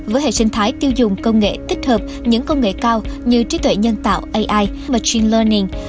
với hệ sinh thái tiêu dùng công nghệ tích hợp những công nghệ cao như trí tuệ nhân tạo ai matring learning